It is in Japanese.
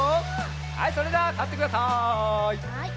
はいそれではたってください。